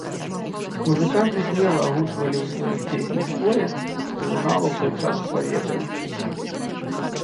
Музыканты смела агучвалі ў сваіх песнях тое, што лунала ў той час у паветры.